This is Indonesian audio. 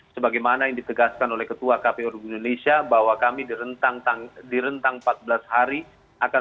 sebagaimana yang ditegaskan oleh ketua kpu republik indonesia bahwa kami di rentang empat belas hari akan